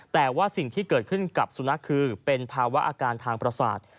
แต่ว่าสิ่งที่เกิดขึ้นกับสุนัขคือเป็นภาวะอาการทางประสาท